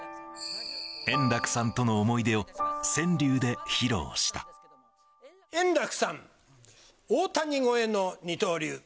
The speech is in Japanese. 円楽さんとの思い出を川柳で円楽さん、大谷超えの二刀流。